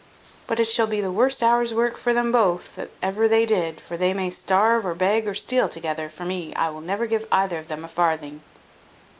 But it shall be the worst hour's work for them both that ever they did; for they may starve, or beg, or steal together, for me. I will never give either of them a farthing."